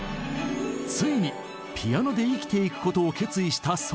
ついにピアノで生きていくことを決意した反田さん。